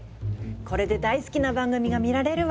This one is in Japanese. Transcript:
これで大好きな番組が見られるわ！